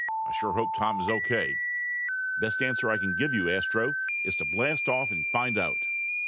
"I sure hope Tom is O.K." "Best answer I can give you. Astro, is to blast off and find out."